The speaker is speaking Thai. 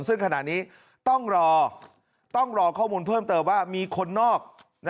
ซึ่งขณะนี้ต้องรอต้องรอข้อมูลเพิ่มเติมว่ามีคนนอก